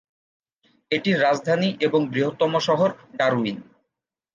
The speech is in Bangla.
এটির রাজধানী এবং বৃহত্তম শহর ডারউইন।